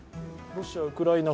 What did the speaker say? ロシア、ウクライナ